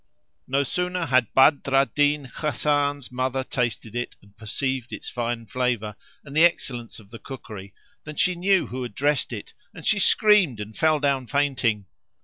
No sooner had Badr al Din Hasan's mother tasted it and perceived its fine flavour and the excellence of the cookery, than she knew who had dressed it, and she screamed and fell down fainting.